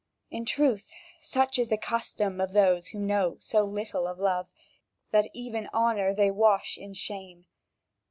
In truth, such is the custom of those who know so little of love, that even honour they wash in shame.